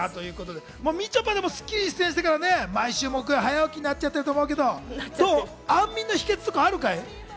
みちょぱ、でも『スッキリ』に出演してから毎週木曜は早起きになっちゃってると思うけど、安眠の秘訣とかってあるかい？